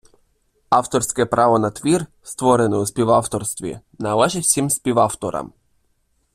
Авторське право на твір, створений у співавторстві, належить всім співавторам